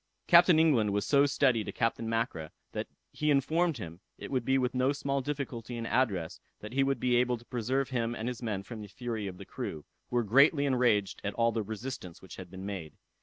Captain England was so steady to Captain Mackra, that he informed him, it would be with no small difficulty and address that he would be able to preserve him and his men from the fury of the crew, who were greatly enraged at the resistance which had been made.